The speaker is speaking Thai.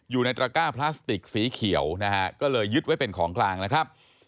ตระก้าพลาสติกสีเขียวนะฮะก็เลยยึดไว้เป็นของกลางนะครับ